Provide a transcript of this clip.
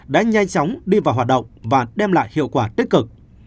đã nhanh chóng đi vào hoạt động và đem lại hiệu quả tích cực